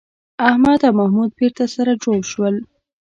احمد او محمود بېرته سره جوړ شول.